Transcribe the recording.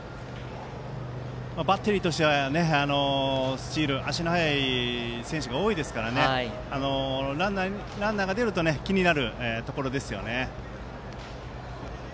バッテリーとしては足の速い選手が多いですからランナーが出ると気になるところですよね。